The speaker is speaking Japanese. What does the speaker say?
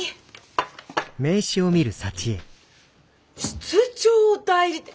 室長代理！